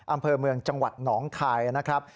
อำเภอเมืองจังหวัดหนองคายนะครับ